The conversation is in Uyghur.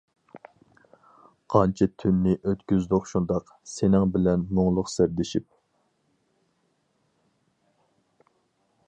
قانچە تۈننى ئۆتكۈزدۇق شۇنداق، سېنىڭ بىلەن مۇڭلۇق سىردىشىپ.